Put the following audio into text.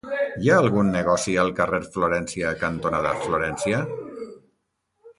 Hi ha algun negoci al carrer Florència cantonada Florència?